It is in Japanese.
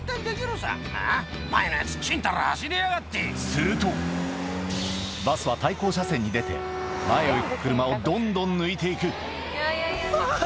するとバスは対向車線に出て前を行く車をどんどん抜いていくあぁ！